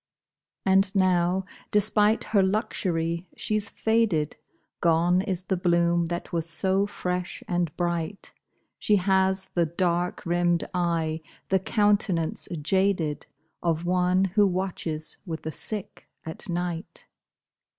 And now, despite her luxury, she's faded, Gone is the bloom that was so fresh and bright; She has the dark rimmed eye, the countenance jaded, Of one who watches with the sick at night.